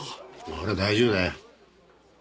俺は大丈夫だよ